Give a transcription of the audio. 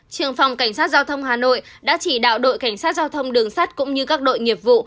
trường phòng cảnh sát giao thông hà nội đã chỉ đạo đội cảnh sát giao thông đường sắt cũng như các đội nghiệp vụ